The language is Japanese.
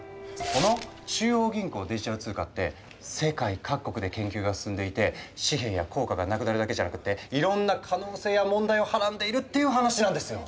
この中央銀行デジタル通貨って世界各国で研究が進んでいて紙幣や硬貨がなくなるだけじゃなくっていろんな可能性や問題をはらんでいるっていう話なんですよ。